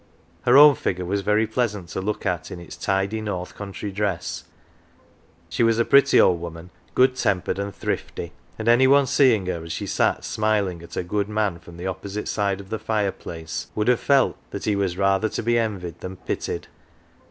Her own figure was very pleasant to look at, in its tidy north country dress. She was a pretty old woman, good tempered and thrifty ; and any one, seeing her as she sat smiling at her good man from the opposite side of the fireplace, would have felt that he was rather to be envied than pitied.